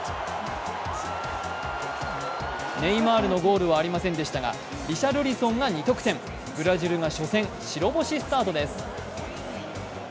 ネイマールのゴールはありませんでしたが、リシャルリソンが２得点、ブラジルが初戦、白星スタートです